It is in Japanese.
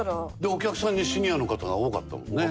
お客さんにシニアの方が多かったもんね。